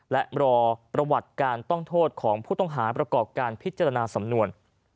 และรอประวัติการต้องโทษของผู้ต้องหาประกอบการพิจารณาสำนวน